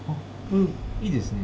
いいですね。